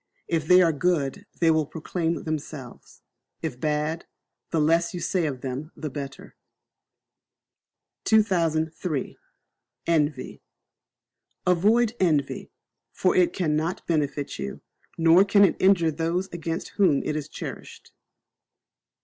If they are good they will proclaim themselves, if bad, the less you say of them the better. 2003. Envy. Avoid Envy; for it cannot benefit you, nor can it injure those against whom it is cherished.